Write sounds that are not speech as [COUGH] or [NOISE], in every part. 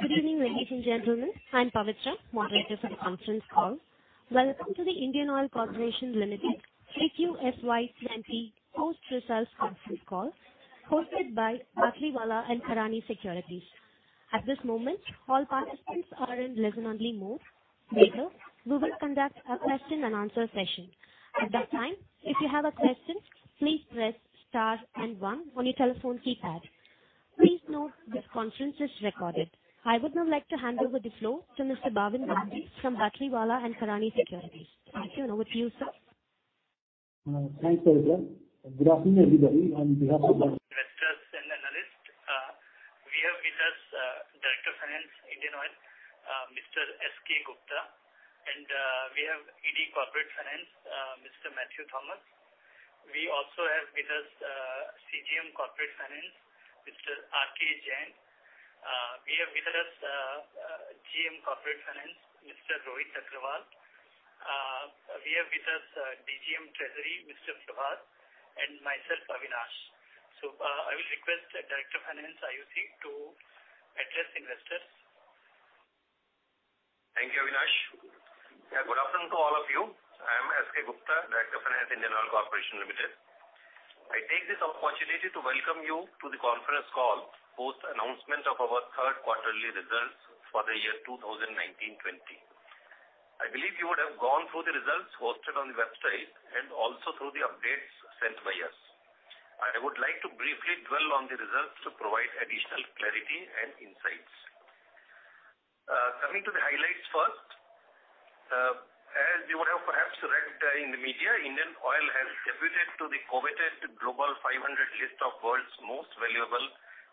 Good evening, ladies and gentlemen. I'm Pavitra, moderator for the conference call. Welcome to the Indian Oil Corporation Limited 3Q FY 2020 post-results conference call hosted by Batlivala & Karani Securities. At this moment, all participants are in listen-only mode. Later, we will conduct a question-and-answer session. At that time, if you have a question, please press star and one on your telephone keypad. Please note this conference is recorded. I would now like to hand over the floor to Mr. Bhavin Gandhi from Batlivala & Karani Securities. Over to you, sir. Thanks, Pavitra. Good afternoon, everybody. On behalf of investors and analysts, we have with us Director of Finance, IndianOil, Mr. S.K. Gupta. We have ED Corporate Finance, Mr. Matthew Thomas. We also have with us CGM Corporate Finance, Mr. R.K. Jain. We have with us GM Corporate Finance, Mr. Rohit Chakravarty. We have with us DGM Treasury, Mr. Prabhat, and myself, Avinash. I will request the Director of Finance, are you ready to address investors? Thank you, Avinash. Good afternoon to all of you. I am S.K. Gupta, Director of Finance, Indian Oil Corporation Limited. I take this opportunity to welcome you to the conference call for the announcement of our third quarterly results for the year 2019/2020. I believe you would have gone through the results posted on the website and also through the updates sent by us. I would like to briefly dwell on the results to provide additional clarity and insights. Coming to the highlights first, as you would have perhaps read in the media, IndianOil has debuted to the coveted Global 500 list of world's most valuable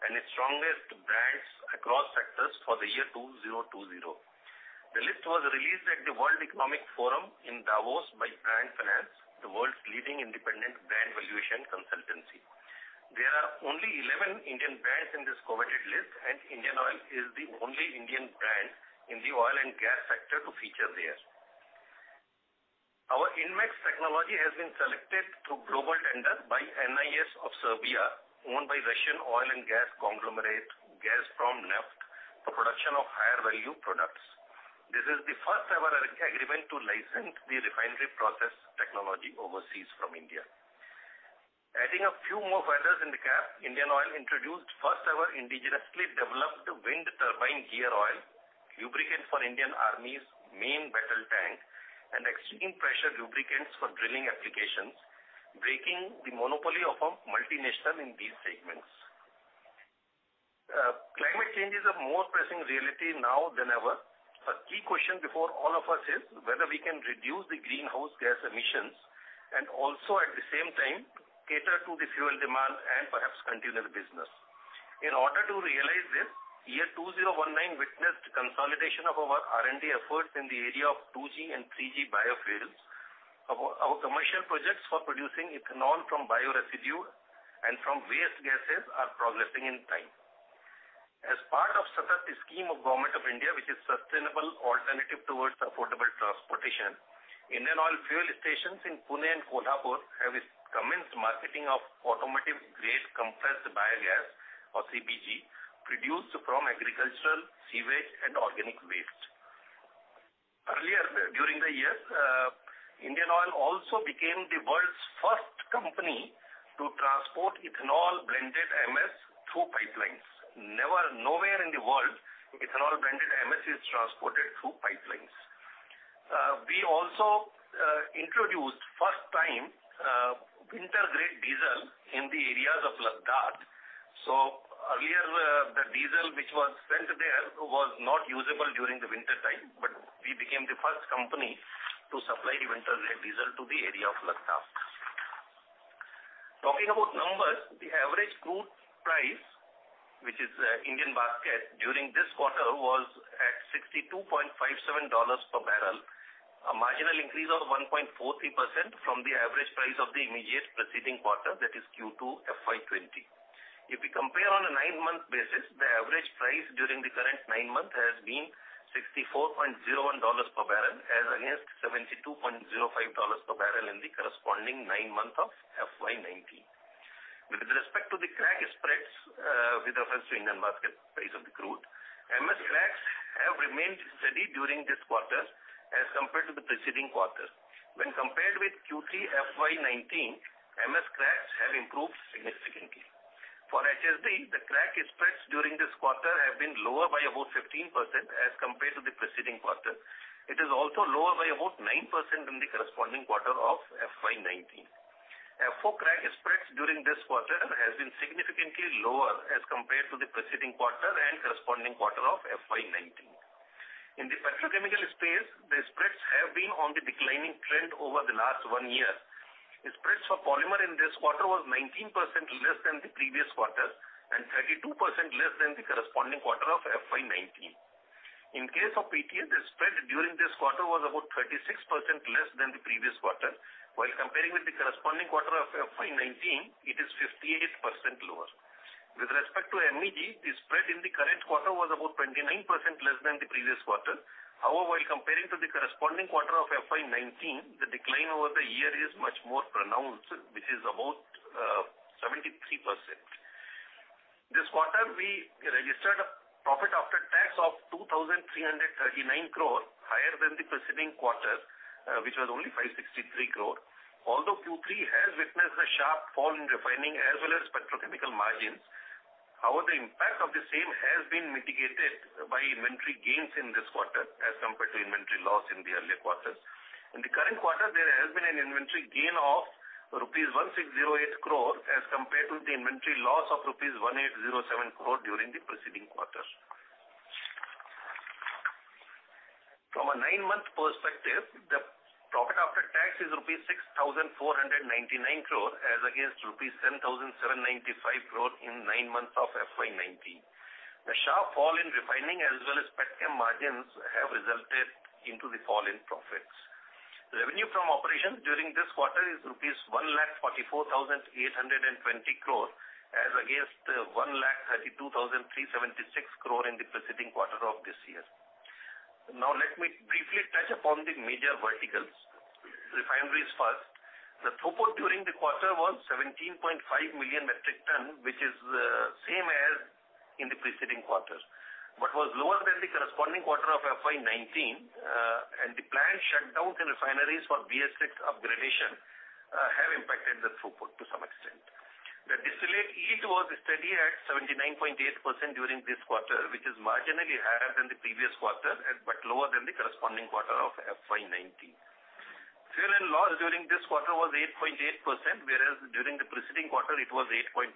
and strongest brands across sectors for the year 2020. The list was released at the World Economic Forum in Davos by Brand Finance, the world's leading independent brand valuation consultancy. There are only 11 Indian brands in this coveted list, and IndianOil is the only Indian brand in the oil and gas sector to feature there. Our INDMAX technology has been selected through global tender by NIS of Serbia, owned by Russian oil and gas conglomerate, Gazprom Neft, for production of higher value products. This is the first-ever agreement to license the refinery process technology overseas from India. Adding a few more feathers in the cap, IndianOil introduced first-ever indigenously developed wind turbine gear oil, lubricant for Indian Army's main battle tank, and extreme pressure lubricants for drilling applications, breaking the monopoly of a multinational in these segments. Climate change is a more pressing reality now than ever. A key question before all of us is whether we can reduce the greenhouse gas emissions and also at the same time, cater to the fuel demand and perhaps continue the business. In order to realize this, year 2019 witnessed consolidation of our R&D efforts in the area of 2G and 3G biofuels. Our commercial projects for producing ethanol from bio residue and from waste gases are progressing in time. As part of SATAT scheme of Government of India, which is Sustainable Alternative Towards Affordable Transportation, IndianOil fuel stations in Pune and Kolhapur have commenced marketing of automotive-grade compressed biogas or CBG, produced from agricultural sewage and organic waste. Earlier during the year, IndianOil also became the world's first company to transport ethanol-blended MS through pipelines. Nowhere in the world ethanol-blended MS is transported through pipelines. We also introduced first time winter-grade diesel in the areas of Ladakh. Earlier, the diesel which was sent there was not usable during the wintertime, but we became the first company to supply the winter-grade diesel to the area of Ladakh. Talking about numbers, the average crude price, which is Indian basket, during this quarter was at $62.57 per barrel, a marginal increase of 1.43% from the average price of the immediate preceding quarter, that is Q2 FY 2020. If we compare on a nine-month basis, the average price during the current nine months has been $64.01 per barrel as against $72.05 per barrel in the corresponding nine months of FY 2019. With respect to the crack spreads, with reference to Indian basket price of the crude, MS cracks have remained steady during this quarter as compared to the preceding quarter. When compared with Q3 FY 2019, MS cracks have improved significantly. For HSD, the crack spreads during this quarter have been lower by about 15% as compared to the preceding quarter. It is also lower by about 9% in the corresponding quarter of FY 2019. FO crack spreads during this quarter has been significantly lower as compared to the preceding quarter and corresponding quarter of FY 2019. In the petrochemical space, the spreads have been on the declining trend over the last one year. The spreads for polymer in this quarter was 19% less than the previous quarter and 32% less than the corresponding quarter of FY 2019. In case of PTA, the spread during this quarter was about 36% less than the previous quarter. While comparing with the corresponding quarter of FY 2019, it is 58% lower. With respect to MEG, the spread in the current quarter was about 29% less than the previous quarter. While comparing to the corresponding quarter of FY 2019, the decline over the year is much more pronounced, which is about 73%. This quarter, we registered a profit after tax of 2,339 crore, higher than the preceding quarter, which was only 563 crore, although Q3 has witnessed a sharp fall in refining as well as petrochemical margins. The impact of the same has been mitigated by inventory gains in this quarter as compared to inventory loss in the earlier quarters. In the current quarter, there has been an inventory gain of rupees 1,608 crore as compared to the inventory loss of rupees 1,807 crore during the preceding quarter. From a nine-month perspective, the profit after tax is rupees 6,499 crore as against rupees 7,795 crore in nine months of FY 2019. The sharp fall in refining as well as petrochemicals margins have resulted into the fall in profits. Revenue from operations during this quarter is rupees 1 lakh rupees 44,820 crore as against 1 lakh 32,376 crore in the preceding quarter of this year. Let me briefly touch upon the major verticals. Refineries first. The throughput during the quarter was 17.5 million metric tons, which is the same as in the preceding quarters, but was lower than the corresponding quarter of FY 2019. The planned shutdown in refineries for BS-VI upgradation have impacted the throughput to some extent. The distillate yield was steady at 79.8% during this quarter, which is marginally higher than the previous quarter, but lower than the corresponding quarter of FY 2019. Fuel and loss during this quarter was 8.8%, whereas during the preceding quarter it was 8.9%.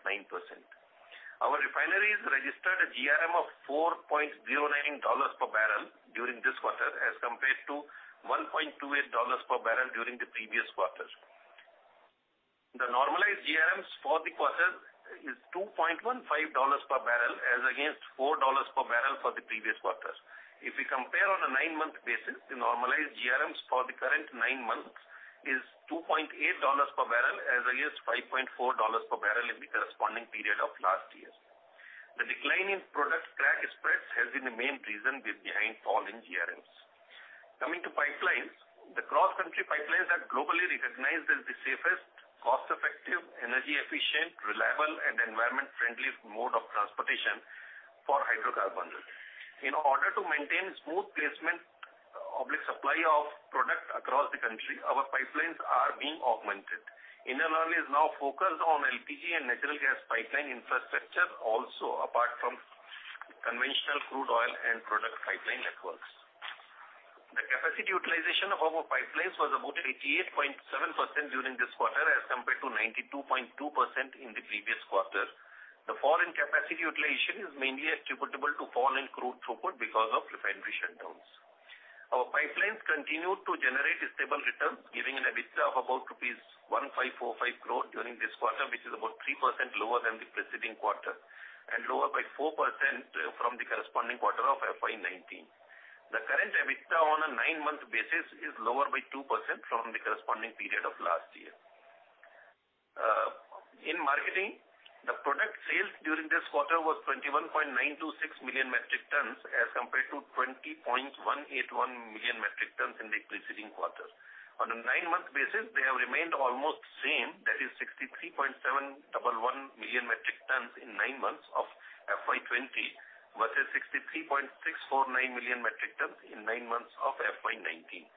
Our refineries registered a GRM of $4.09 per barrel during this quarter, as compared to $1.28 per barrel during the previous quarter. The normalized GRMs for the quarter is $2.15 per barrel, as against $4 per barrel for the previous quarter. If we compare on a nine-month basis, the normalized GRMs for the current nine months is $2.8 per barrel, as against $5.4 per barrel in the corresponding period of last year. The decline in product crack spreads has been the main reason behind fall in GRMs. Coming to pipelines, the cross-country pipelines are globally recognized as the safest, cost-effective, energy efficient, reliable, and environment-friendly mode of transportation for hydrocarbons. In order to maintain smooth placement of the supply of product across the country, our pipelines are being augmented. Indian Oil is now focused on LPG and natural gas pipeline infrastructure also apart from conventional crude oil and product pipeline networks. The capacity utilization of our pipelines was about 88.7% during this quarter as compared to 92.2% in the previous quarter. The fall in capacity utilization is mainly attributable to fall in crude throughput because of refinery shutdowns. Our pipelines continue to generate stable returns, giving an EBITDA of about rupees 1,545 crore during this quarter, which is about 3% lower than the preceding quarter, and lower by 4% from the corresponding quarter of FY 2019. The current EBITDA on a nine-month basis is lower by 2% from the corresponding period of last year. In marketing, the product sales during this quarter was 21.926 million metric tons as compared to 20.181 million metric tons in the preceding quarter. On a nine-month basis, they have remained almost same, that is 63.711 million metric tons in nine months of FY 2020, versus 63.649 million metric tons in nine months of FY 2019.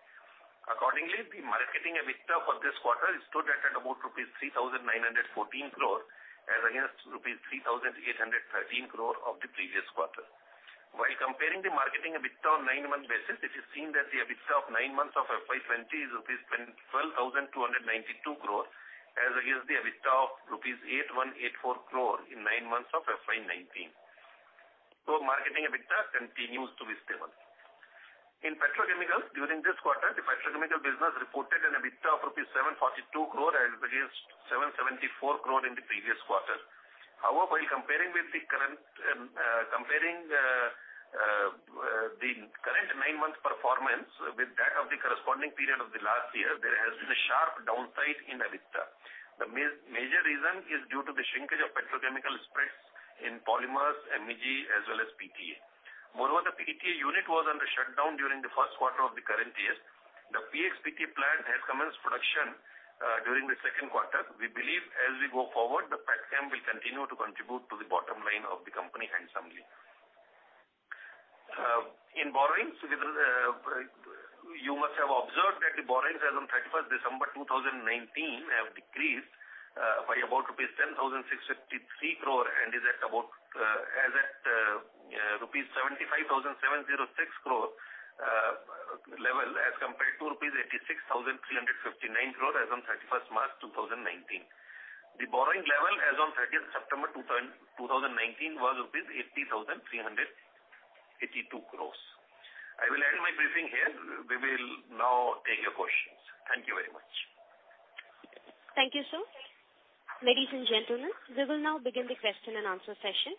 Accordingly, the marketing EBITDA for this quarter stood at about INR 3,914 crore as against INR 3,813 crore of the previous quarter. While comparing the marketing EBITDA on nine-month basis, it is seen that the EBITDA of nine months of FY 2020 is 12,292 crore as against the EBITDA of rupees 8,184 crore in nine months of FY 2019. Marketing EBITDA continues to be stable. In petrochemicals during this quarter, the petrochemical business reported an EBITDA of rupees 742 crore as against 774 crore in the previous quarter. However, comparing the current nine-month performance with that of the corresponding period of the last year, there has been a sharp downside in EBITDA. The major reason is due to the shrinkage of petrochemical spreads in polymers, MEG, as well as PTA. The PTA unit was under shutdown during the first quarter of the current year. The PX-PTA plant has commenced production during the second quarter. We believe as we go forward, the petchem will continue to contribute to the bottom line of the company handsomely. In borrowings, you must have observed that the borrowings as on 31st December 2019 have decreased by about rupees 10,653 crore and is at rupees 75,706 crore level as compared to rupees 86,359 crore as on 31st March 2019. The borrowing level as on 30th September 2019 was rupees 80,382 crore. I will end my briefing here. We will now take your questions. Thank you very much. Thank you, sir. Ladies and gentlemen, we will now begin the question-and-answer session.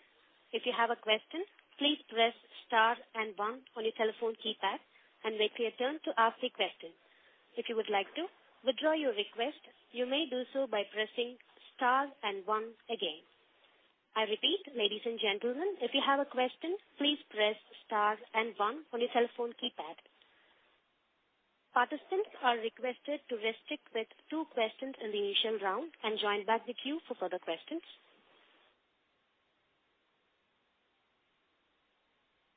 If you have a question, please press star and one on your telephone keypad and wait your turn to ask the question. If you would like to withdraw your request, you may do so by pressing star and one again. I repeat, ladies and gentlemen, if you have a question, please press star and one on your telephone keypad. Participants are requested to restrict with two questions in the initial round and join back the queue for further questions.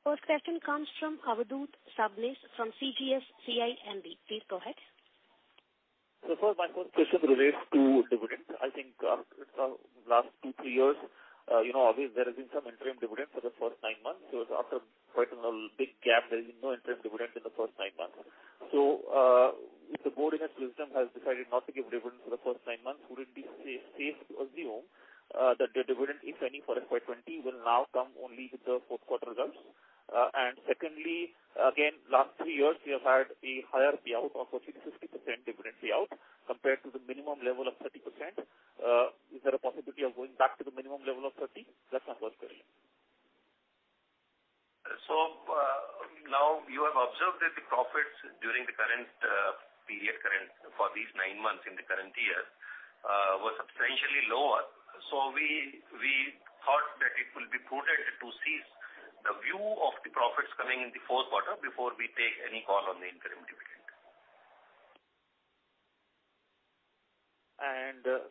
First question comes from Avadhoot Sabnis from CGS-CIMB. Please go ahead. First, my first question relates to dividends. I think, last two, three years, there has been some interim dividend for the first nine months. It's after quite a big gap, there is no interim dividend in the first nine months. If the board, in its wisdom, has decided not to give dividend for the first nine months, would it be safe to assume that the dividend, if any, for FY 2020 will now come only with the fourth quarter results? Secondly, again, last three years, we have had a higher payout of 60% dividend payout compared to the minimum level of 30%. Is there a possibility of going back to the minimum level of 30%? That's my first query. Now you have observed that the profits during the current period for these nine months in the current year, were substantially lower. We thought that it will be prudent to see the view of the profits coming in the fourth quarter before we take any call on the interim dividend.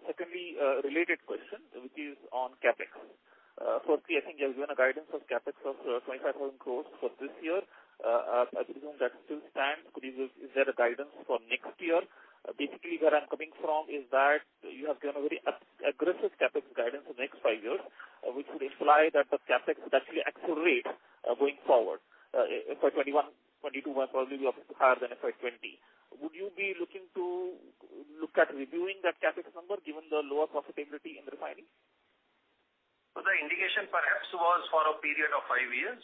Secondly, a related question, which is on CapEx. Firstly, I think you have given a guidance of CapEx of 25,000 crore for this year. I presume that still stands. Is there a guidance for next year? Where I'm coming from is that you have given a very aggressive CapEx guidance for next five years, which would imply that the CapEx actually accelerates going forward. FY 2021, FY 2022 will probably be obviously higher than FY 2020. Would you be looking to look at reviewing that CapEx number given the lower profitability in refining? The indication perhaps was for a period of five years.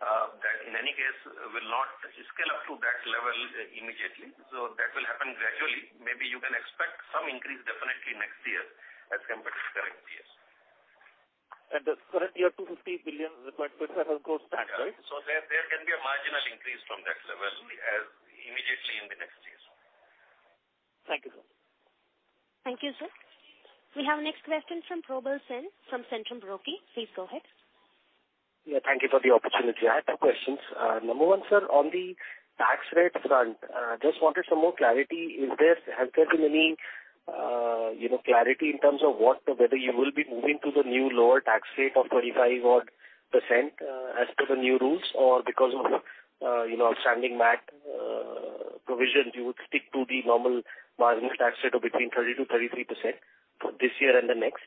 That in any case will not scale up to that level immediately. That will happen gradually. Maybe you can expect some increase definitely next year as compared to current year. The current year INR 250 billion requirements are held close that, right? Yeah. There can be a marginal increase from that level immediately in the next years. Thank you, sir. Thank you, sir. We have next question from Probal Sen from Centrum Broking. Please go ahead. Yeah, thank you for the opportunity. I have two questions. Number one, sir, on the tax rates front, just wanted some more clarity. Has there been any clarity in terms of whether you will be moving to the new lower tax rate of 25% as per the new rules or because of outstanding MAT provisions, you would stick to the normal marginal tax rate of between 30%-33% for this year and the next?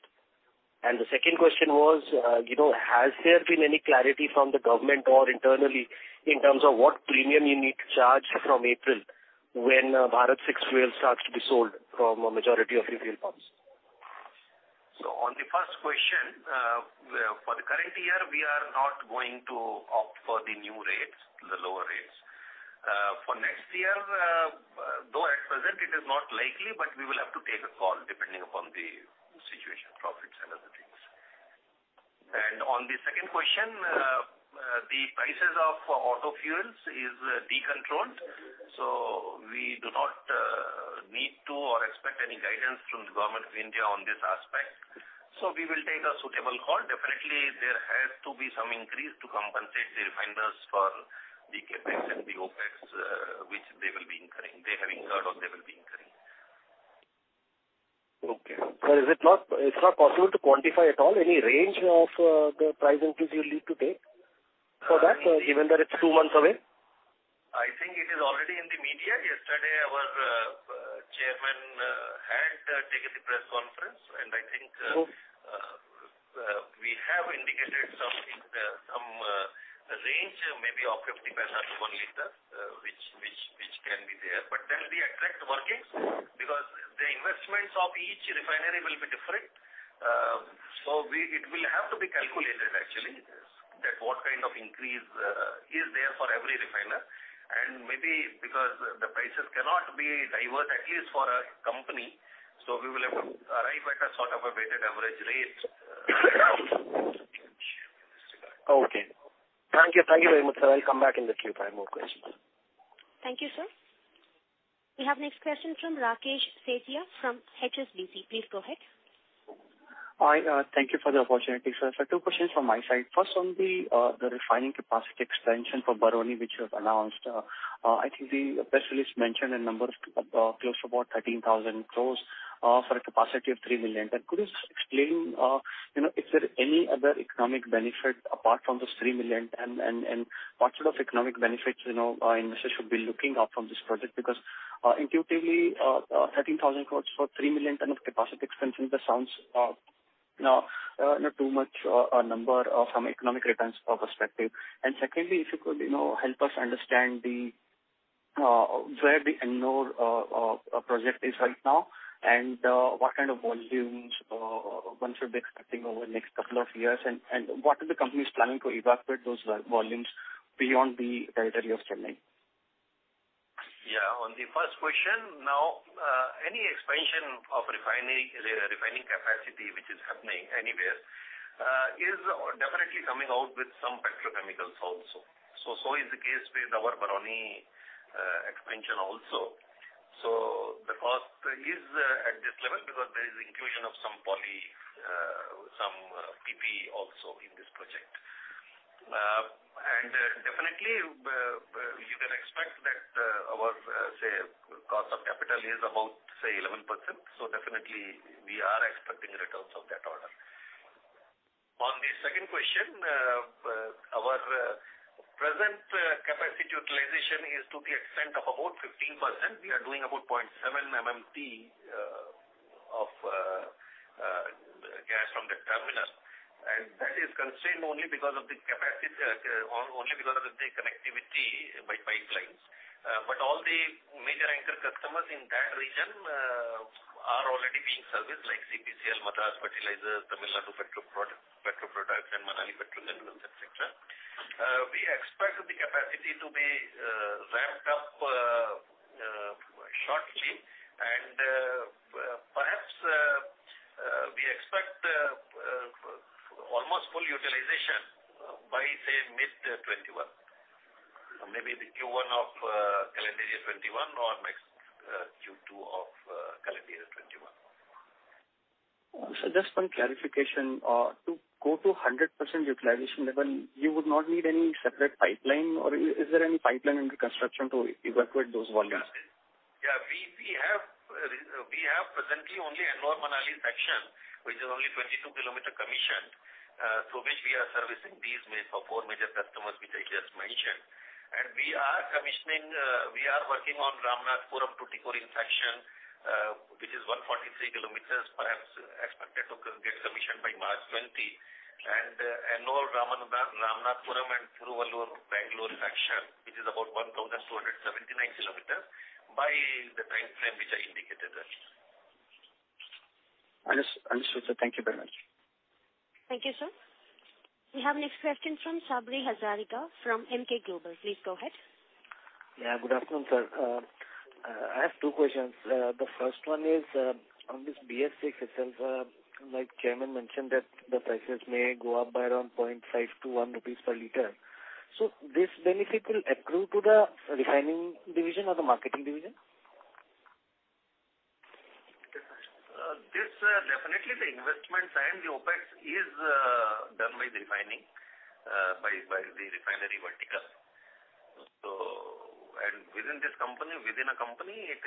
The second question was, has there been any clarity from the government or internally in terms of what premium you need to charge from April when Bharat VI fuel starts to be sold from a majority of retail pumps? On the first question, for the current year, we are not going to opt for the new rates, the lower rates. For next year, though at present it is not likely, but we will have to take a call depending upon the situation, profits, and other things. On the second question, the prices of auto fuels is decontrolled, so we do not need to or expect any guidance from the Government of India on this aspect. We will take a suitable call. Definitely, there has to be some increase to compensate the refiners for the CapEx and the OpEx which they will be incurring, they have incurred or they will be incurring. Okay. Sir, it's not possible to quantify at all any range of the price increase you'll need to take for that, even though it's two months away? I think it is already in the media. Yesterday, our chairman had taken a press conference. Okay. I think we have indicated some range, maybe of 0.50 per liter, which can be there. That will be exact workings, because the investments of each refinery will be different. It will have to be calculated actually, that what kind of increase is there for every refiner, and maybe because the prices cannot be diverse, at least for a company, so we will have to arrive at a sort of a weighted average rate. Okay. Thank you. Thank you very much, sir. I'll come back in the queue if I have more questions. Thank you, sir. We have next question from Rakesh Sethia from HSBC. Please go ahead. Hi. Thank you for the opportunity, sir. Sir, two questions from my side. First on the refining capacity expansion for Barauni, which you have announced. I think the specialist mentioned a number of close to about 13,000 crore for a capacity of 3 million ton. Could you explain if there are any other economic benefits apart from those 3 million, and what sort of economic benefits investors should be looking out from this project? Because intuitively, 13,000 crore for 3 million ton of capacity expansion, that sounds not too much a number from economic returns perspective. Secondly, if you could help us understand where the Ennore project is right now, and what kind of volumes one should be expecting over the next couple of years, and what are the companies planning to evacuate those volumes beyond the territory of Chennai? On the first question, any expansion of refining capacity which is happening anywhere, is definitely coming out with some petrochemicals also. It is the case with our Barauni expansion also. The cost is at this level because there is inclusion of some poly, some PP also in this project. Definitely, you can expect that our cost of capital is about 11%. Definitely, we are expecting returns of that order. On the second question, our present capacity utilization is to the extent of about 15%. We are doing about 0.7 MMT of gas from that terminal, and that is constrained only because of the connectivity by pipelines. All the major anchor customers in that region are already being serviced like CPCL, Madras Fertilizers, Tamil Nadu Petroproducts, and Manali Petrochemicals, et cetera. We expect the capacity to be ramped up shortly. Perhaps, we expect almost full utilization by mid-2021. Maybe the Q1 of calendar year 2021 or max Q2 of calendar year 2021. Just one clarification. To go to 100% utilization level, you would not need any separate pipeline, or is there any pipeline under construction to evacuate those volumes? Yeah. We have presently only Ennore-Manali section, which is only 22 km commissioned, through which we are servicing these four major customers, which I just mentioned. We are commissioning, we are working on Ramanathapuram to Tiruchirappalli section, which is 143 km, perhaps expected to get commissioned by March 2020. Ennore-Ramanathapuram and Tiruvallur-Bangalore section, which is about 1,279 km, by the timeframe which I indicated just. Understood, sir. Thank you very much. Thank you, sir. We have next question from Sabri Hazarika from Emkay Global. Please go ahead. Good afternoon, sir. I have two questions. The first one is, on this BS VI itself, like chairman mentioned that the prices may go up by around 0.5-1 rupees per liter. This benefit will accrue to the refining division or the marketing division? This definitely the investments and the OpEx is done by the refinery vertical. Within a company, it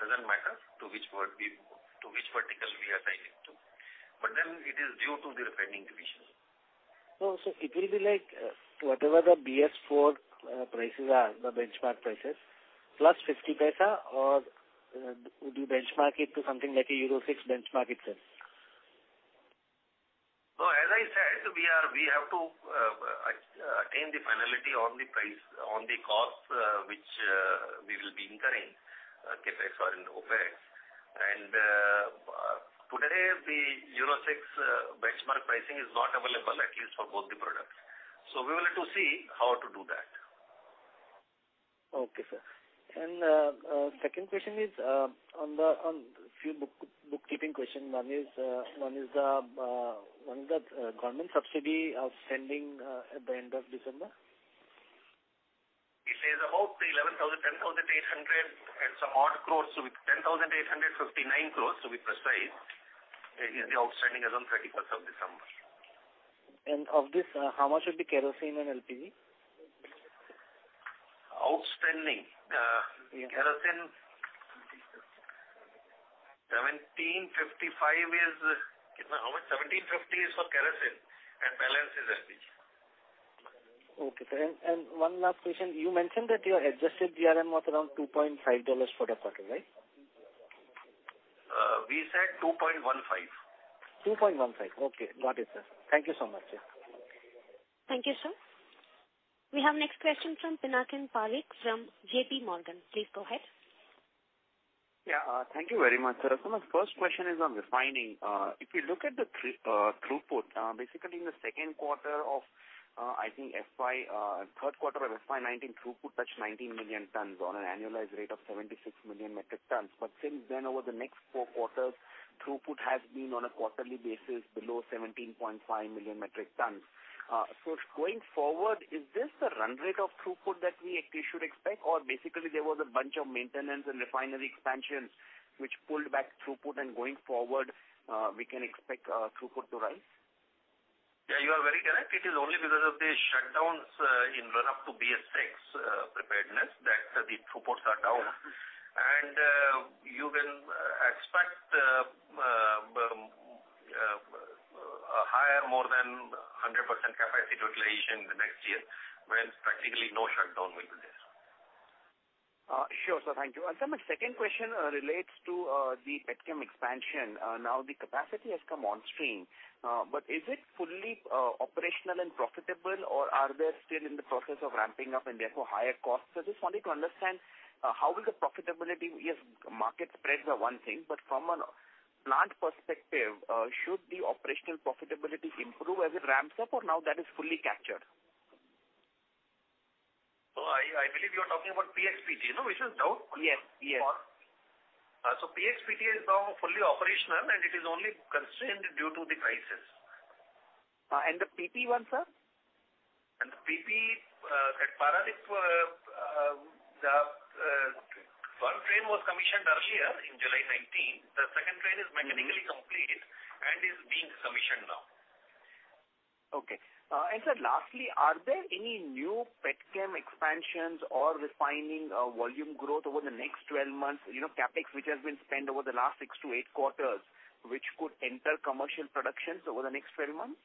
doesn't matter to which vertical we assign it to. It is due to the refining division. It will be like, whatever the BS IV prices are, the benchmark prices, plus 0.50, or would you benchmark it to something like a Euro VI benchmark itself? No, as I said, we have to attain the finality on the price, on the cost, which we will be incurring, CapEx or in OpEx. Today, the Euro VI benchmark pricing is not available, at least for both the products. We will have to see how to do that. Okay, sir. Second question is on few bookkeeping question. One is the government subsidy outstanding at the end of December? It is about 10,800 and some odd crore. With 10,859 crore, to be precise, is the outstanding as on 31st of December. Of this, how much would be kerosene and LPG? Outstanding. Yeah. Kerosene. 1,755 is how much? 1,750 is for kerosene and balance is LPG. Okay, sir. One last question. You mentioned that your adjusted GRM was around $2.5 for the quarter, right? We said $2.15. $2.15, okay. Got it, sir. Thank you so much, sir. Thank you, sir. We have next question from Pinakin Parekh from JPMorgan. Please go ahead. Yeah. Thank you very much, sir. My first question is on refining. If you look at the throughput, basically in the second quarter of, I think, third quarter of FY 2019, throughput touched 19 million tons on an annualized rate of 76 million metric tons. Since then, over the next four quarters, throughput has been on a quarterly basis below 17.5 million metric tons. Going forward, is this the run rate of throughput that we should expect? Basically, there was a bunch of maintenance and refinery expansions which pulled back throughput, and going forward, we can expect throughput to rise? Yeah, you are very correct. It is only because of the shutdowns in run-up to BS VI preparedness that the throughputs are down. You can expect a higher, more than 100% capacity utilization next year, when practically no shutdown will be there. Sure, sir. Thank you. Sir, my second question relates to the petchem expansion. Now the capacity has come onstream. Is it fully operational and profitable, or are they still in the process of ramping up and therefore higher costs? I just wanted to understand, how will the profitability, yes, market spreads are one thing, but from a plant perspective, should the operational profitability improve as it ramps up, or now that is fully captured? I believe you're talking about PX-PTA. No? Which is now fully operational. Yes. PX-PTA is now fully operational, and it is only constrained due to the prices. The PP one, sir? The PP at Paradip, the first train was commissioned earlier in July 2019. The second train is mechanically complete and is being commissioned now. Okay. Sir, lastly, are there any new petchem expansions or refining volume growth over the next 12 months, CapEx which has been spent over the last six to eight quarters, which could enter commercial productions over the next 12 months?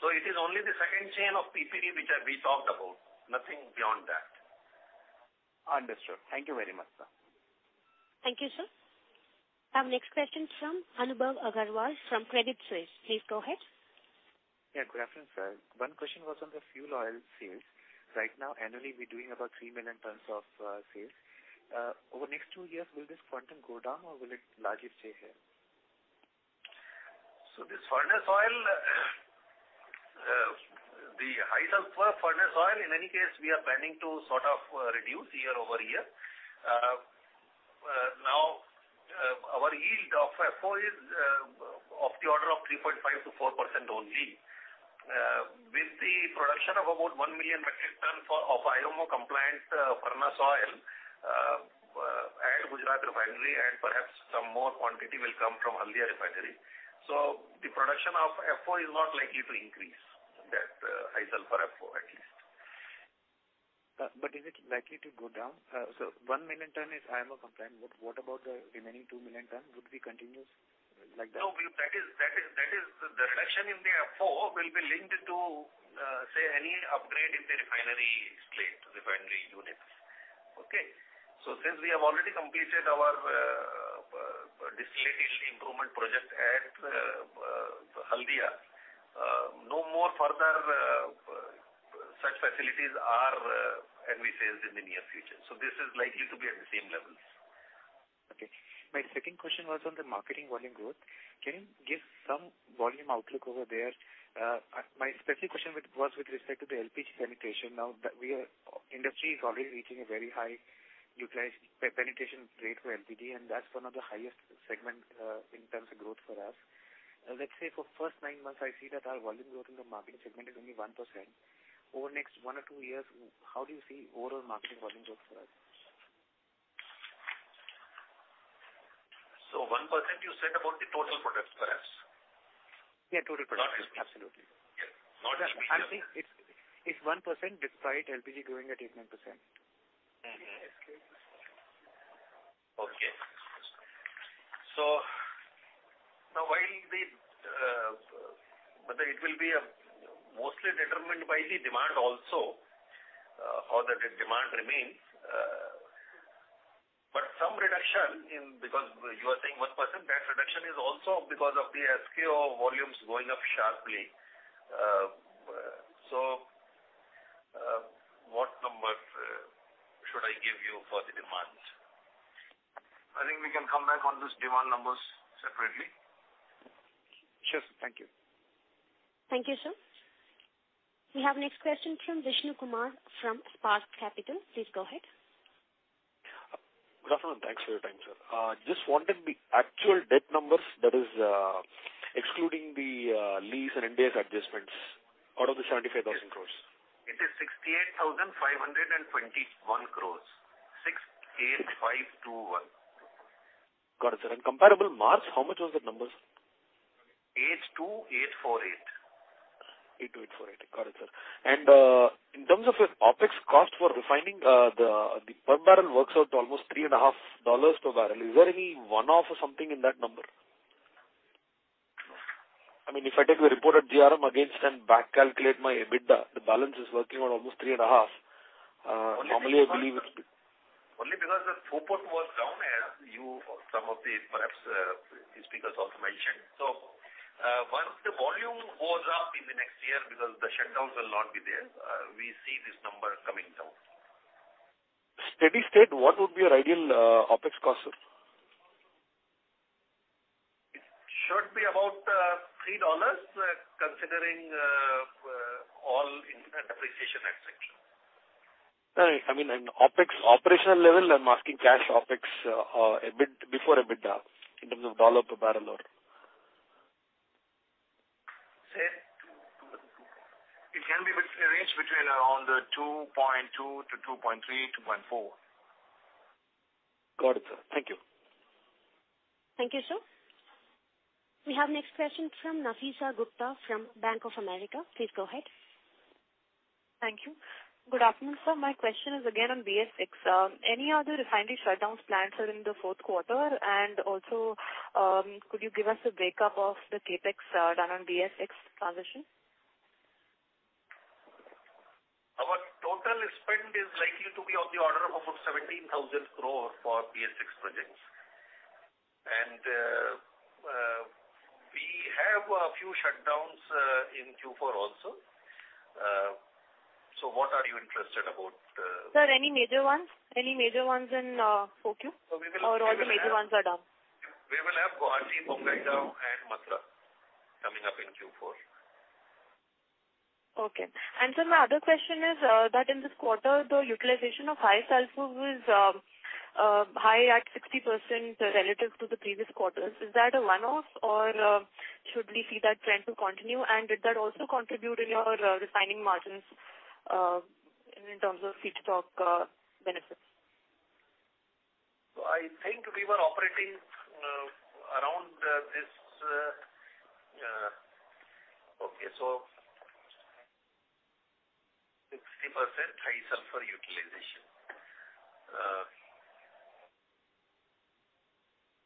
It is only the second chain of PP which we talked about. Nothing beyond that. Understood. Thank you very much, sir. Thank you, sir. Our next question from Anubhav Agarwal from Credit Suisse. Please go ahead. Yeah, good afternoon, sir. One question was on the fuel oil sales. Right now, annually, we're doing about 3 million tons of sales. Over the next two years, will this quantum go down, or will it largely stay here? This furnace oil, the high sulfur furnace oil, in any case, we are planning to sort of reduce year-over-year. Our yield of FO is of the order of 3.5%-4% only. With the production of about 1 million metric ton of IMO-compliant furnace oil, at Gujarat Refinery and perhaps some more quantity will come from Haldia Refinery. The production of FO is not likely to increase, that high sulfur FO, at least. Is it likely to go down? 1 million ton is IMO-compliant, but what about the remaining 2 million ton? Would we continue like that? No, the reduction in the FO will be linked to, say, any upgrade in the refinery slate, refinery units. Okay. Since we have already completed our distillate yield improvement project at Haldia, no more further such facilities are envisaged in the near future. This is likely to be at the same levels. Okay. My second question was on the marketing volume growth. Can you give some volume outlook over there? My specific question was with respect to the LPG penetration. Industry is already reaching a very high penetration rate for LPG, and that's one of the highest segment in terms of growth for us. Let's say for the first nine months, I see that our volume growth in the marketing segment is only 1%. Over the next one or two years, how do you see overall marketing volume growth for us? 1% you said about the total products for us? Yeah, total products. Got it. Absolutely. Yeah. Not just LPG. I think it's 1% despite LPG growing at 8%, 9%. Okay. Now, it will be mostly determined by the demand also, or the demand remains. Some reduction in, because you are saying 1%, that reduction is also because of the SKO volumes going up sharply. What numbers should I give you for the demand? I think we can come back on those demand numbers separately. Sure, sir. Thank you. Thank you, sir. We have next question from Vishnu Kumar from Spark Capital. Please go ahead. Good afternoon. Thanks for your time, sir. Just wanted the actual debt numbers, that is, excluding the lease and Ind As adjustments out of the 75,000 crore. It is 68,521 crore. Got it, sir. Comparable March, how much was that numbers? 82,848 crore. 82,848 crore. Got it, sir. In terms of your OpEx cost for refining, the per barrel works out to almost $3.5 per barrel. Is there any one-off or something in that number? I mean, if I take the reported GRM against and back calculate my EBITDA, the balance is working on almost $3.5. Normally, I believe it's. Only because the throughput was down as some of the, perhaps, the speakers also mentioned. Once the volume goes up in the next year, because the shutdowns will not be there, we see this number coming down. Steady state, what would be your ideal OpEx cost, sir? It should be about $3 considering all Ind AS depreciation, et cetera. I mean, in operational level, I'm asking cash OpEx before EBITDA, in terms of dollar per barrel. Say, it can be a range between around $2.2-$2.3, $2.4. Got it, sir. Thank you. Thank you, sir. We have next question from Nafeesa Gupta from Bank of America. Please go ahead. Thank you. Good afternoon, sir. My question is again on BS VI, sir. Any other refinery shutdowns planned for in the fourth quarter? Also, could you give us a breakup of the CapEx done on BS VI transition? Our total spend is likely to be on the order of about 17,000 crore for BS VI projects. We have a few shutdowns in Q4 also. What are you interested about? Sir, any major ones? Any major ones in 4Q? So we will- All the major ones are done? We will have Guwahati, Mumbai and Mathura coming up in Q4. Okay. Sir, my other question is that in this quarter, the utilization of high sulfur was high at 60% relative to the previous quarters. Is that a one-off or should we see that trend to continue? Did that also contribute in your refining margins in terms of feedstock benefits? I think we were operating around this. Okay. 60% high sulfur utilization.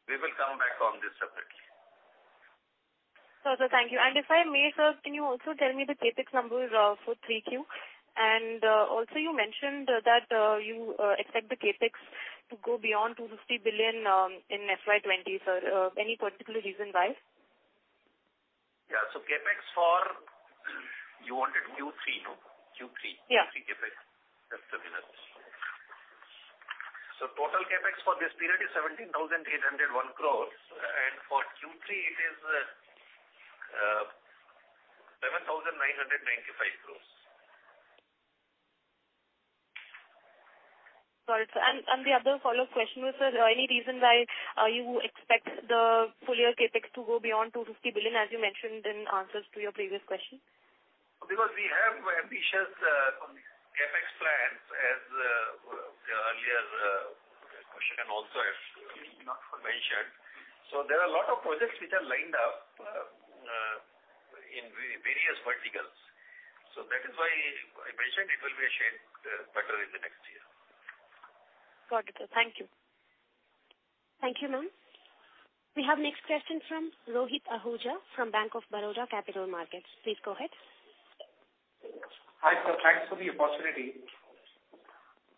We will come back on this subject. Sure, sir. Thank you. If I may, sir, can you also tell me the CapEx numbers for 3Q? Also you mentioned that you expect the CapEx to go beyond 250 billion in FY 2020, sir. Any particular reason why? Yeah. CapEx for, you wanted Q3 no? Q3. Yeah. Q3 CapEx. Just a minute. Total CapEx for this period is 17,801 crore, and for Q3 it is 7,995 crore. Got it, sir. The other follow-up question was, sir, any reason why you expect the full year CapEx to go beyond 250 billion as you mentioned in answers to your previous question? We have ambitious CapEx plans as the earlier question also has not mentioned. There are a lot of projects which are lined up in various verticals. That is why I mentioned it will be a shade better in the next year. Got it, sir. Thank you. Thank you, ma'am. We have next question from Rohit Ahuja from Bank of Baroda Capital Markets. Please go ahead. Hi, sir. Thanks for the opportunity.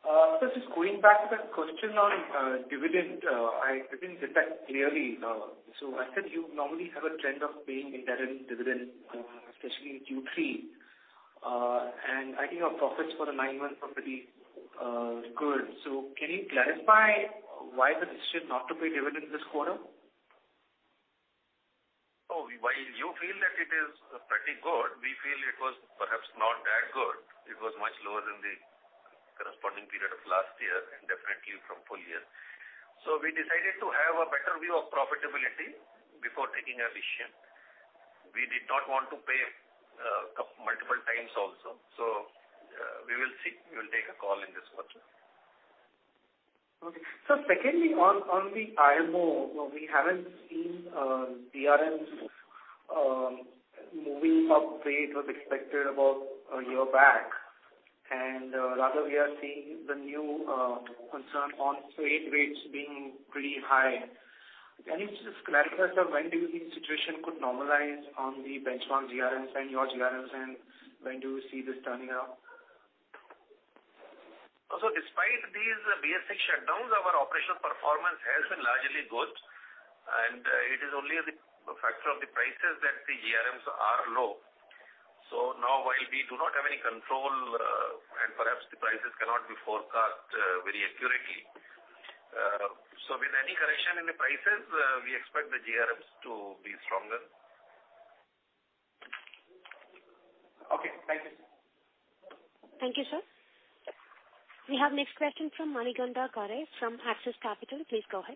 Sir, just going back to that question on dividend, I didn't get that clearly. I said you normally have a trend of paying interim dividend, especially in Q3. I think your profits for the nine months are pretty good. Can you clarify why the decision not to pay dividend this quarter? While you feel that it is pretty good, we feel it was perhaps not that good. It was much lower than the corresponding period of last year and definitely from full year. We decided to have a better view of profitability before taking a decision. We did not want to pay multiple times also. We will see. We will take a call in this quarter. Okay. Sir, secondly, on the IMO, we haven't seen GRMs moving up the way it was expected about a year back. Rather, we are seeing the new concern on freight rates being pretty high. Can you just clarify, sir, when do you think situation could normalize on the benchmark GRMs and your GRMs, and when do you see this turning up? Despite these BS VI shutdowns, our operational performance has been largely good, and it is only the factor of the prices that the GRMs are low. Now while we do not have any control, and perhaps the prices cannot be forecast very accurately, with any correction in the prices, we expect the GRMs to be stronger. Okay. Thank you. Thank you, sir. We have next question from Manikantha Garre from Axis Capital. Please go ahead.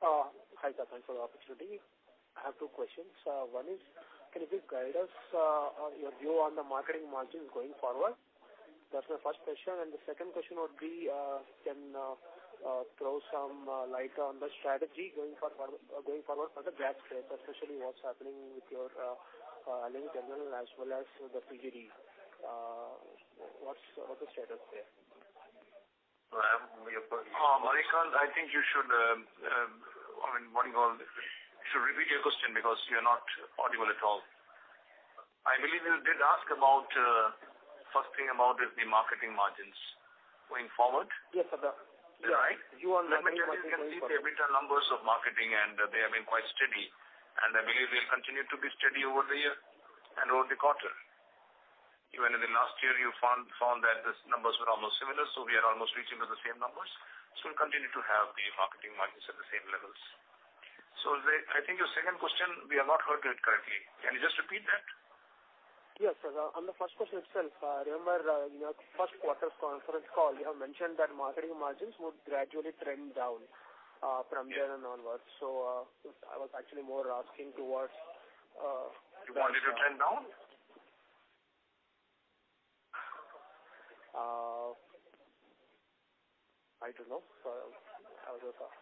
Hi, sir. Thanks for the opportunity. I have two questions. One is, can you please guide us on your view on the marketing margins going forward? That's my first question. The second question would be, can you throw some light on the strategy going forward for the gas space, especially what's happening with your LNG terminal as well as the CGD. What's the status there? Manikantha, I think you should repeat your question because you're not audible at all. I believe you did ask about, first thing about the marketing margins going forward. Yes, sir. Right. View on the marketing margin going forward? You can see the EBITDA numbers of marketing and they have been quite steady, and I believe they'll continue to be steady over the year and over the quarter. Even in the last year, you found that these numbers were almost similar, so we are almost reaching to the same numbers. We'll continue to have the marketing margins at the same levels. I think your second question, we have not heard it correctly. Can you just repeat that? Yes, sir. On the first question itself, I remember in your first quarter conference call, you have mentioned that marketing margins would gradually trend down from June and onwards. I was actually more asking towards. You wanted to trend down? I don't know, sir. How was your thought?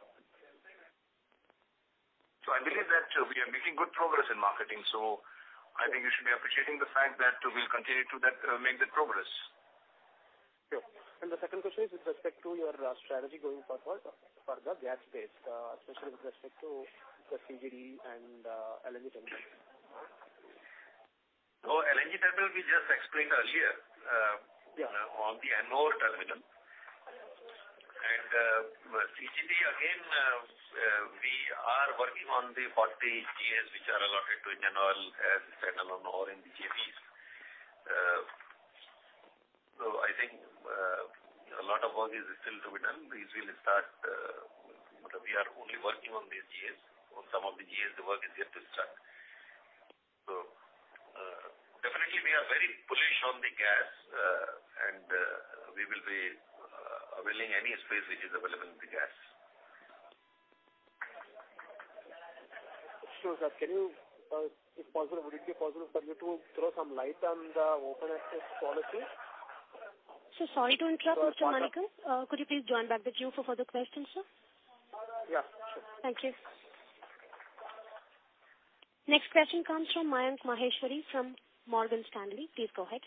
I believe that we are making good progress in marketing. I think you should be appreciating the fact that we will continue to make that progress. Sure. The second question is with respect to your strategy going forward for the gas space, especially with respect to the CGD and LNG terminal. LNG terminal, we just explained earlier. Yeah. On the Ennore terminal. CGD again, we are working on the 40 GAs which are allotted to IndianOil as standalone or in JVs. I think a lot of work is still to be done. We are only working on these years. On some of the years, the work is yet to start. Definitely, we are very bullish on the gas, and we will be availing any space which is available in the gas. Sure, sir. Would it be possible for you to throw some light on the open access policy? Sir, sorry to interrupt. Mr. Manikantha, could you please join back the queue for further questions, sir? Yeah, sure. Thank you. Next question comes from Mayank Maheshwari from Morgan Stanley. Please go ahead.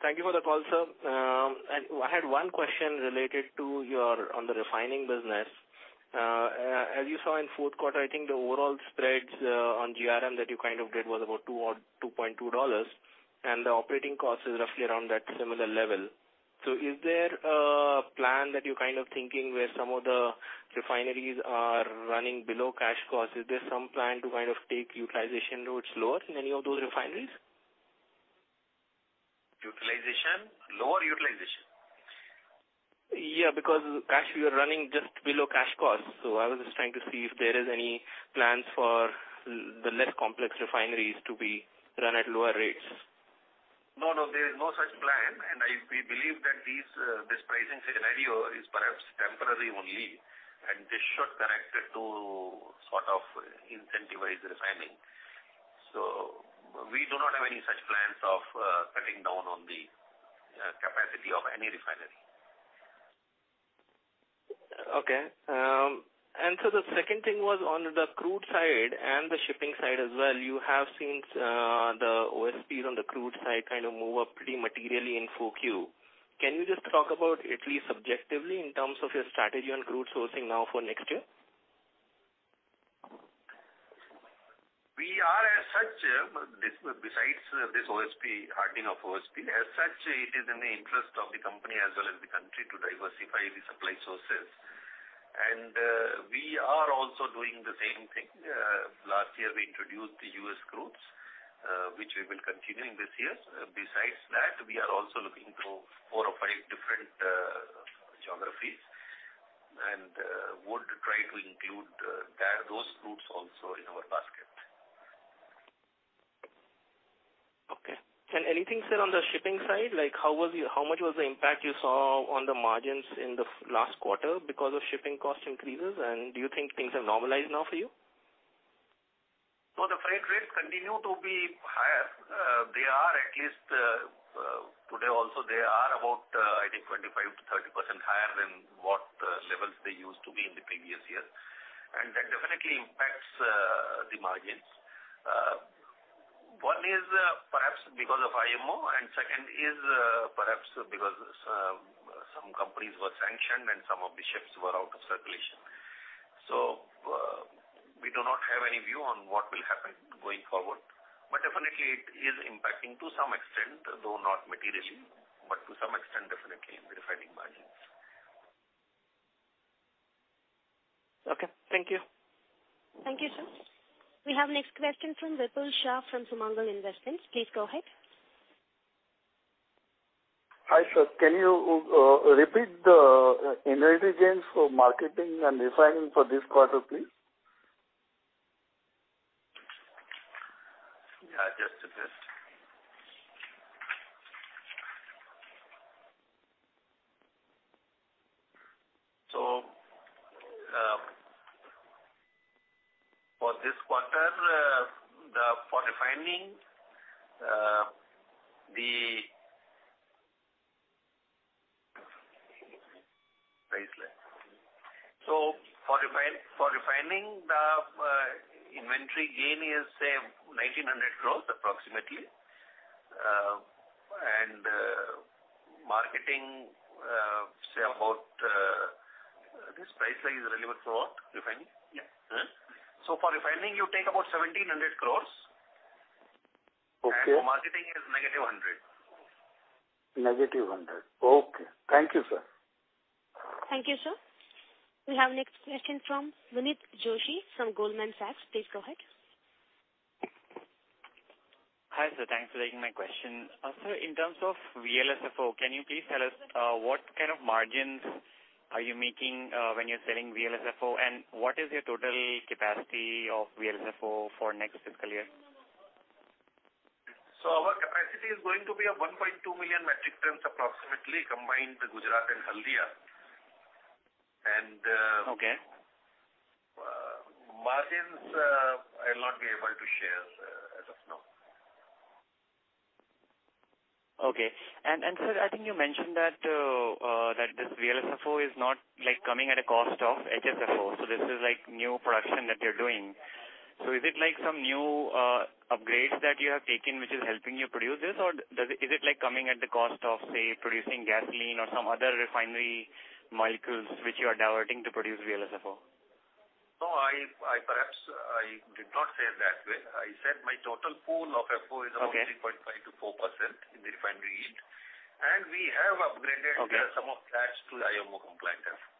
Thank you for the call, sir. I had one question related to the refining business. As you saw in the fourth quarter, I think the overall spreads on GRM that you did was about $2 or $2.2, and the operating cost is roughly around that similar level. Is there a plan that you're thinking where some of the refineries are running below cash costs? Is there some plan to take utilization routes lower in any of those refineries? Utilization? Lower utilization? Yeah, because cash flow running just below cash costs, I was just trying to see if there is any plans for the less complex refineries to be run at lower rates. No, there is no such plan. We believe that this pricing scenario is perhaps temporary only, and this should correct it to sort of incentivize refining. We do not have any such plans of cutting down on the capacity of any refinery. Okay. The second thing was on the crude side and the shipping side as well. You have seen the OSPs on the crude side move up pretty materially in 4Q. Can you just talk about it, at least subjectively, in terms of your strategy on crude sourcing now for next year? We are as such, besides this hardening of OSP, as such, it is in the interest of the company as well as the country to diversify the supply sources. We are also doing the same thing. Last year, we introduced the U.S. crudes, which we will continue this year. Besides that, we are also looking through four or five different geographies and would try to include those crudes also in our basket. Okay. Can anything said on the shipping side, like how much was the impact you saw on the margins in the last quarter because of shipping cost increases? Do you think things have normalized now for you? No, the freight rates continue to be higher. Today also, they are about, I think, 25%-30% higher than what levels they used to be in the previous year. That definitely impacts the margins. One is perhaps because of IMO, and second is perhaps because some companies were sanctioned and some of the ships were out of circulation. We do not have any view on what will happen going forward. Definitely it is impacting to some extent, though not materially, but to some extent, definitely in the refining margins. Okay. Thank you. Thank you, sir. We have next question from Vipul Shah from Sumangal Investments. Please go ahead. Hi, sir. Can you repeat the inventory gains for marketing and refining for this quarter, please? Yeah, just a bit. For this quarter, for refining the price list. For refining, the inventory gain is, say, 1,900 crore approximately. This price is relevant for what? Refining? Yeah. For refining, you take about 1,700 crore. Okay. For marketing, it is -100. -100. Okay. Thank you, sir. Thank you, sir. We have next question from Vinit Joshi from Goldman Sachs. Please go ahead. Hi, sir. Thanks for taking my question. Sir, in terms of VLSFO, can you please tell us what kind of margins are you making when you're selling VLSFO, and what is your total capacity of VLSFO for next fiscal year? Our capacity is going to be a 1.2 million metric tons approximately, combined Gujarat and Haldia. Okay. Margins, I'll not be able to share as of now. Okay. Sir, I think you mentioned that this VLSFO is not coming at a cost of HSFO. This is new production that you're doing. Is it some new upgrades that you have taken which is helping you produce this? Is it coming at the cost of, say, producing gasoline or some other refinery molecules which you are diverting to produce VLSFO? No, perhaps I did not say that way. I said my total pool of FO is about 3.5%-4% in the refinery yield. We have upgraded some of that to IMO-compliant FO.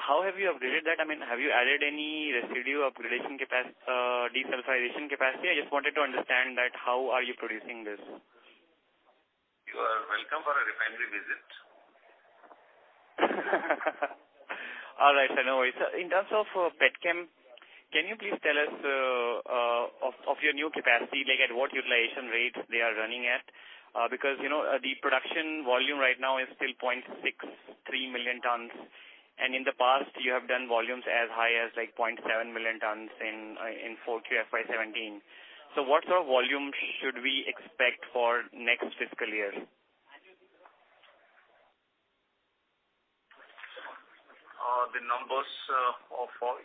How have you upgraded that? Have you added any residue upgradation desulfurization capacity? I just wanted to understand that, how are you producing this? You are welcome for a refinery visit. All right, sir. No worries. In terms of petchem, can you please tell us of your new capacity, like at what utilization rates they are running at? The production volume right now is still 0.63 million tons. In the past, you have done volumes as high as 0.7 million tons in 4Q FY 2017. What sort of volumes should we expect for next fiscal year?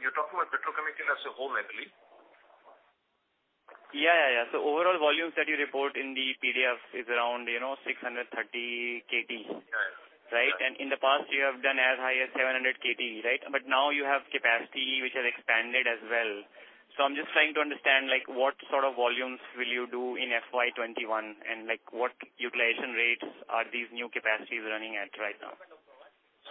You're talking about petrochemical as a whole, I believe. Yeah. Overall volumes that you report in the PDF is around 630 KT. Yes. Right? In the past, you have done as high as 700 KT, right? Now you have capacity, which has expanded as well. I'm just trying to understand, what sort of volumes will you do in FY 2021, and what utilization rates are these new capacities running at right now?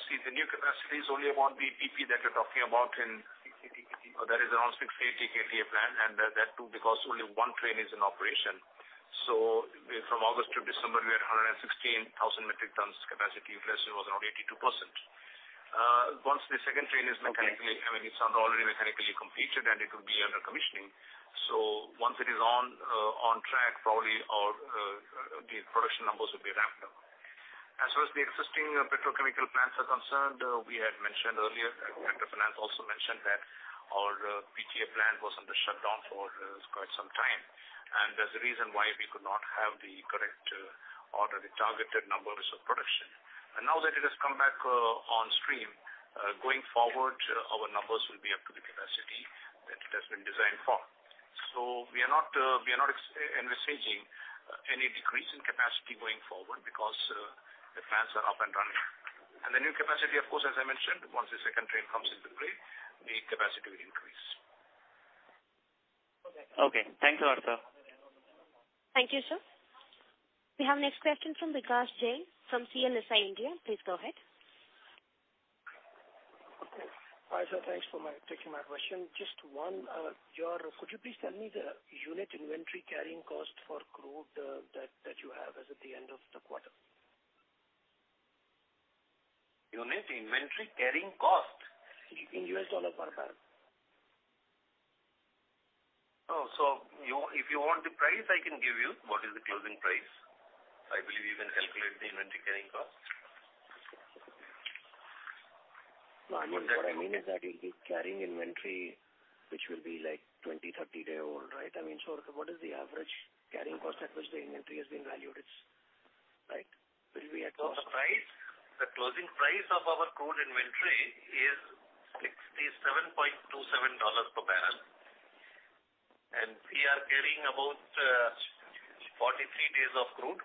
See, the new capacity is only one PP that we're talking about in 650 KTPA. That is around 650 KTPA plant. That too because only one train is in operation. From August to December, we had 116,000 metric tons capacity utilization was around 82%. Once the second train is. Okay. It's already mechanically completed, and it will be under commissioning. Once it is on track, probably our production numbers will be ramped up. As far as the existing petrochemical plants are concerned, we had mentioned earlier, and the sector finance also mentioned that our PTA plant was under shutdown for quite some time, and that's the reason why we could not have the correct order, the targeted numbers of production. Now that it has come back on stream, going forward, our numbers will be up to the capacity that it has been designed for. We are not envisaging any decrease in capacity going forward because the plants are up and running. The new capacity, of course, as I mentioned, once the second train comes into play, the capacity will increase. Okay. Thanks a lot, sir. Thank you, sir. We have next question from Vikash Jain, from CLSA India. Please go ahead. Okay. Hi, sir. Thanks for taking my question. Just one. Could you please tell me the unit inventory carrying cost for crude that you have as at the end of the quarter? Unit inventory carrying cost? In U.S. dollar per barrel. Oh, if you want the price, I can give you what is the closing price. I believe you can calculate the inventory carrying cost. No, what I mean is that it'll be carrying inventory, which will be 20, 33-day-old, right? What is the average carrying cost at which the inventory has been valued? Right? Will be at cost. The closing price of our crude inventory is $67.27 per barrel. We are carrying about 43 days of crude.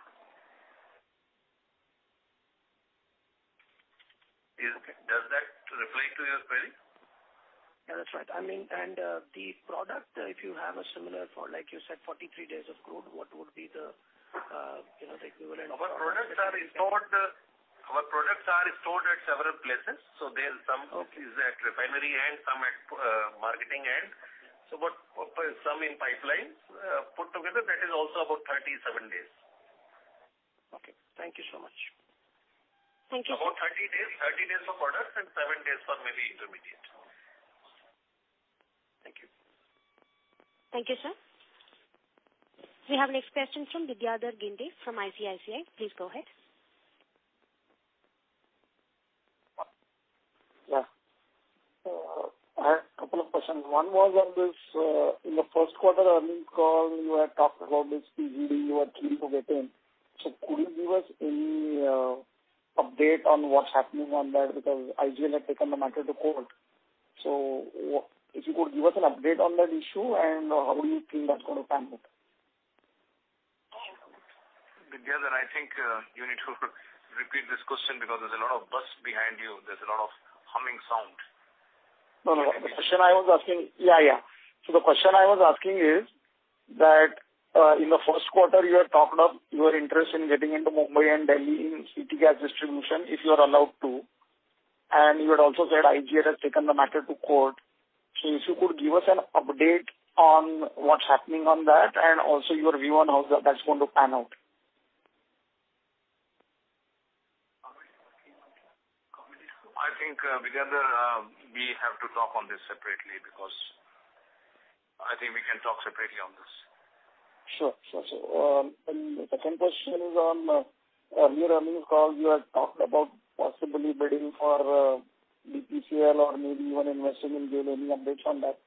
Does that reply to your query? Yeah, that's right. The product, if you have a similar for, like you said, 43 days of crude, what would be the equivalent? Our products are stored at several places. Okay. Which is at refinery end, some at marketing end. Yeah. Some in pipelines. Put together, that is also about 37 days. Okay. Thank you so much. Thank you. About 30 days of product and seven days for maybe intermediate. Thank you. Thank you, sir. We have next question from Vidyadhar Ginde from ICICI. Please go ahead. Yeah. I had a couple of questions. One was on this, in the first quarter earnings call, you had talked about this CGD you are keen to get in. Could you give us any update on what's happening on that? Because IGL had taken the matter to court. If you could give us an update on that issue, and how do you think that's going to pan out? Vidyadhar, I think you need to repeat this question because there's a lot of buzz behind you. There's a lot of humming sound. No. Yeah. The question I was asking is that, in the first quarter, you had talked of your interest in getting into Mumbai and Delhi in City Gas Distribution, if you are allowed to. You had also said IGL has taken the matter to court. If you could give us an update on what's happening on that and also your view on how that's going to pan out. I think, Vidyadhar, we can talk separately on this. Sure. The second question is on, in your earnings call you had talked about possibly bidding for BPCL or maybe even investing in GAIL. Any updates on that?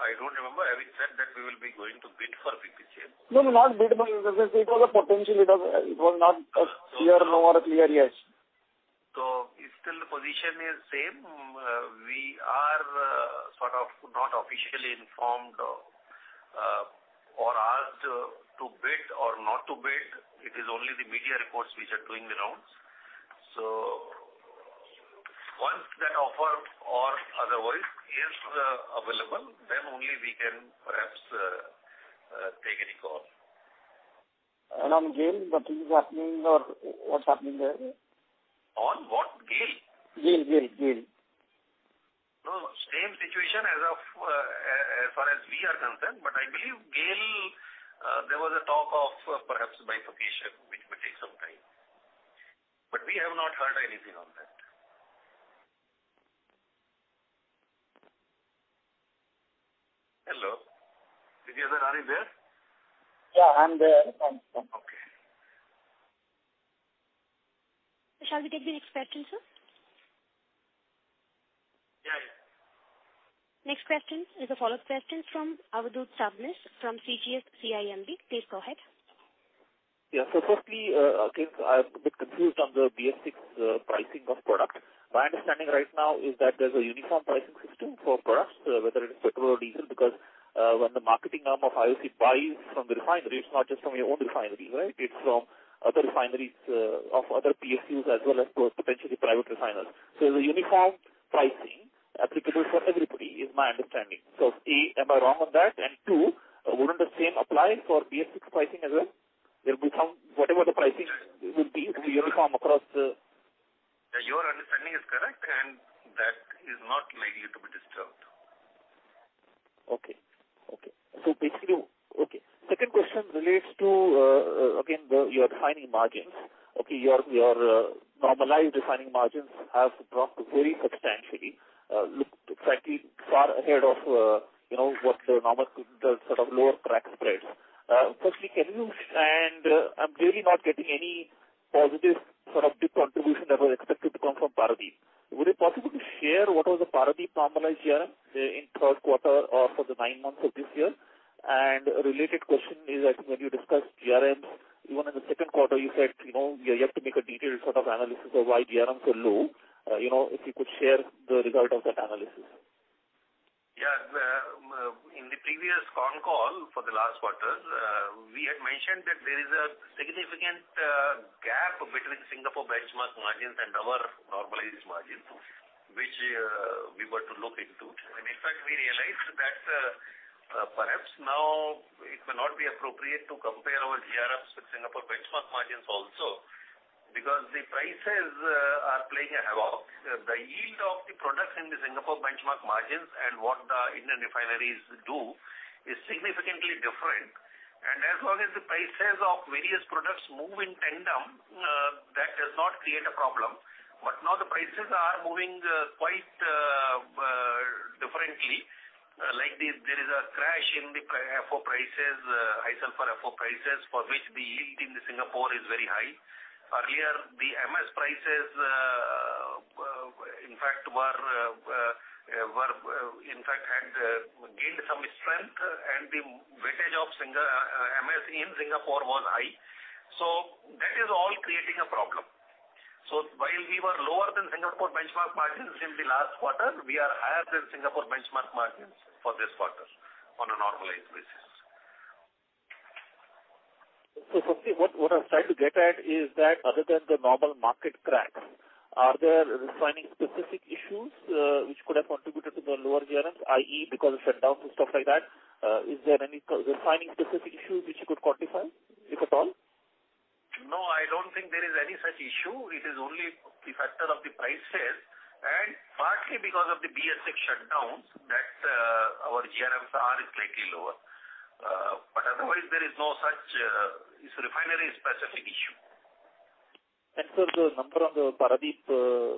I don't remember having said that we will be going to bid for BPCL. No, not bid, but it was a potential. It was not a clear no or a clear yes. Still the position is same. We are not officially informed or asked to bid or not to bid. It is only the media reports which are doing the rounds. That offer or otherwise is available, then only we can perhaps take any call. On GAIL, what is happening there? On what? GAIL? GAIL. No, same situation as far as we are concerned, I believe GAIL, there was a talk of perhaps bifurcation, which may take some time. We have not heard anything on that. Hello? Vidyadhar, are you there? Yeah, I'm there. Okay. Shall we get the next question, sir? Yeah. Next question is a follow-up question from Avadhoot Sabnis from CGS-CIMB. Please go ahead. Yeah. Firstly, I'm a bit confused on the BS VI pricing of product. My understanding right now is that there's a uniform pricing system for products, whether it is petrol or diesel, because when the marketing arm [AUDIO DISTORTION] buys from the refinery, it's not just from your own refinery, right? It's from other refineries of other PSUs as well as potentially private refiners. The uniform pricing applicable for everybody is my understanding. A, am I wrong on that? Two, wouldn't the same apply for BS VI pricing as well? Whatever the pricing will be, it will be uniform across the- Your understanding is correct, and that is not likely to be disturbed. Okay. Second question relates to, again, your refining margins. Okay, your normalized refining margins have dropped very substantially. Looked frankly far ahead of what the normal sort of lower crack spreads. Firstly, I'm really not getting any positive sort of contribution that was expected to come from Paradip. Would it be possible to share what was the Paradip normalized year in third quarter or for the nine months of this year? A related question is, I think when you discussed GRMs, even in the second quarter, you said you have to make a detailed sort of analysis of why GRMs were low. If you could share the result of that analysis. Yeah. In the previous con call for the last quarter, we had mentioned that there is a significant gap between Singapore benchmark margins and our normalized margin, which we were to look into. In fact, we realized that perhaps now it may not be appropriate to compare our GRMs with Singapore benchmark margins also because the prices are playing havoc. The yield of the products in the Singapore benchmark margins and what the Indian refineries do is significantly different. As long as the prices of various products move in tandem that does not create a problem. Now, the prices are moving quite differently. Like there is a crash in the FO prices, high sulfur FO prices, for which the yield in Singapore is very high. Earlier, the MS prices in fact had gained some strength, and the weightage of MS in Singapore was high. That is all creating a problem. While we were lower than Singapore benchmark margins in the last quarter, we are higher than Singapore benchmark margins for this quarter on a normalized basis. Firstly, what I was trying to get at is that other than the normal market cracks, are there refining specific issues which could have contributed to the lower GRMs, i.e., because of shutdowns and stuff like that? Is there any refining specific issue which you could quantify, if at all? No, I don't think there is any such issue. It is only the factor of the prices and partly because of the BS VI shutdowns that our GRMs are slightly lower. Otherwise there is no such refinery specific issue. Sir, the number on the Paradip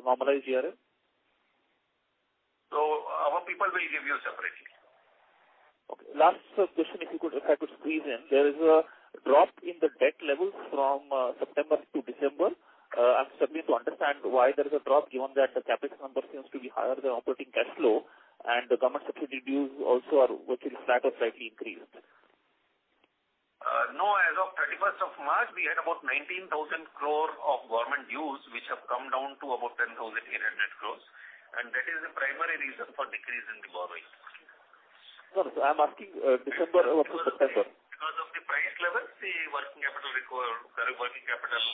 normalized GRM? Our people will give you separately. Okay. Last question, if I could squeeze in. There is a drop in the debt levels from September to December. I am struggling to understand why there is a drop given that the capital number seems to be higher than operating cash flow, and the government security dues also are virtually flat or slightly increased. No, as of 31st of March, we had about 19,000 crore of government dues, which have come down to about 10,800 crore. That is the primary reason for decrease in the borrowing. No, I'm asking December versus September. Because of the price levels, the working capital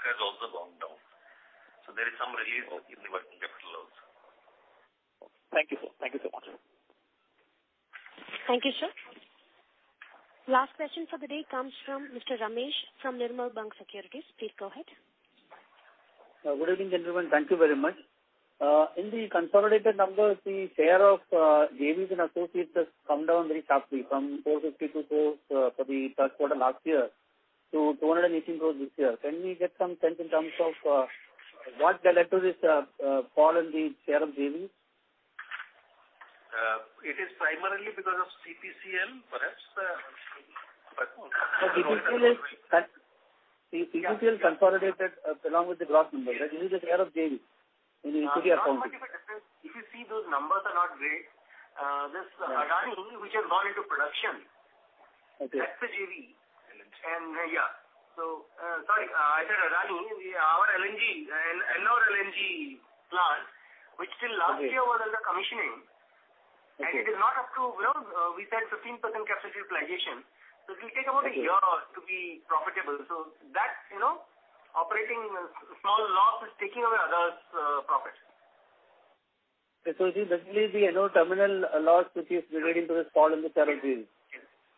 has also gone down. There is some relief in the working capital also. Thank you, sir. Thank you so much. Thank you, sir. Last question for the day comes from Mr. Ramesh from Nirmal Bang Securities. Please go ahead. Good evening, gentlemen. Thank you very much. In the consolidated numbers, the share of JVs and associates has come down very sharply from 452 crore for the third quarter last year to 218 crore this year. Can we get some sense in terms of what led to this fall in the share of JV? It is primarily because of CPCL, perhaps. CPCL is consolidated along with the gross numbers. This is the share of JV in EBT account. If you see those numbers are not great. There's Adani, which has gone into production. Okay. That's the JV. LNG. Yeah. Sorry, I said Adani. Our LNG and Ennore LNG Terminal, which till last year was under commissioning. Okay. It is not up to, we said 15% capacity utilization. It will take about a year to be profitable. That operating small loss is taking away others' profit. It is basically the terminal loss which is relating to this fall in the current year.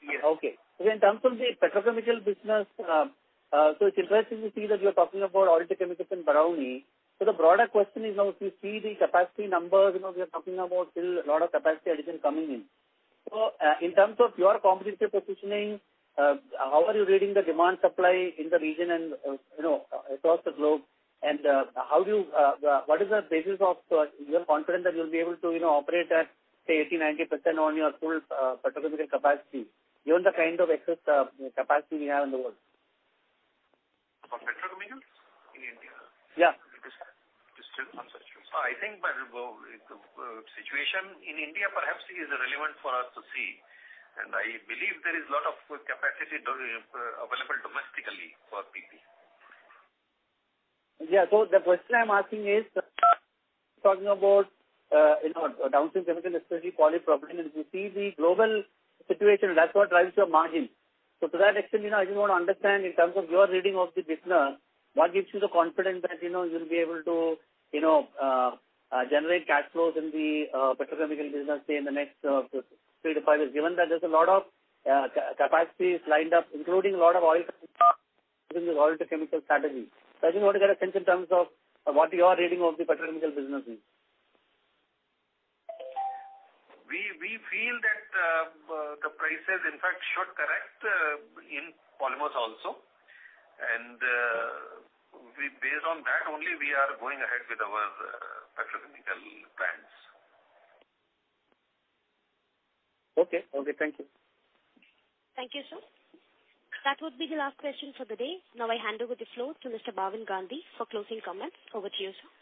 Yes. Okay. In terms of the petrochemicals business, it's interesting to see that you're talking about petrochemicals and Barauni. The broader question is now, if you see the capacity numbers, we are talking about still a lot of capacity addition coming in. In terms of your competitive positioning, how are you reading the demand supply in the region and across the globe? What is the basis of your confidence that you'll be able to operate at, say, 80%, 90% on your full petrochemicals capacity, given the kind of excess capacity we have in the world? For petrochemicals in India? Yeah. It is still uncertain. I think the situation in India perhaps is relevant for us to see, and I believe there is a lot of capacity available domestically for PP. Yeah. The question I'm asking is talking about downstream chemical, especially polypropylene, if you see the global situation, that's what drives your margin. To that extent, I just want to understand in terms of your reading of the business, what gives you the confidence that you'll be able to generate cash flows in the petrochemical business, say, in the next three to five years, given that there's a lot of capacities lined up, including a lot of oil within this petrochemical strategy. I just want to get a sense in terms of what your reading of the petrochemical business is. We feel that the prices, in fact, should correct in polymers also. Based on that only we are going ahead with our petrochemical plans. Okay. Thank you. Thank you, sir. That would be the last question for the day. Now I hand over the floor to Mr. Bhavin Gandhi for closing comments. Over to you, sir.